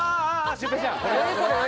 シュウペイちゃん何？